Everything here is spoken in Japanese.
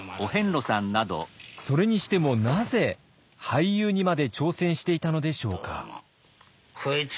それにしてもなぜ俳優にまで挑戦していたのでしょうか。